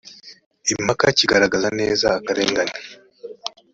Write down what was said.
impaka kigaragaza neza akarengane